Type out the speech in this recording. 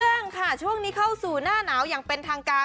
เรื่องค่ะช่วงนี้เข้าสู่หน้าหนาวอย่างเป็นทางการ